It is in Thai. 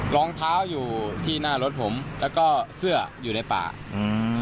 รองเท้าอยู่ที่หน้ารถผมแล้วก็เสื้ออยู่ในป่าอืม